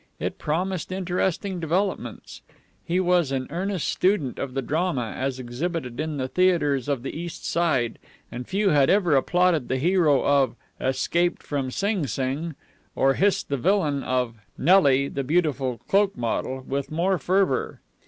It promised interesting developments. He was an earnest student of the drama, as exhibited in the theaters of the East Side, and few had ever applauded the hero of "Escaped from Sing Sing," or hissed the villain of "Nellie, the Beautiful Cloak model" with more fervor.